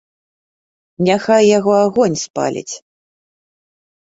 Няхай яго агонь спаліць.